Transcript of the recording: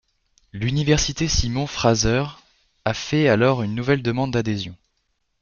L'Université Simon Fraser a fait alors une nouvelle demande d'adhésion.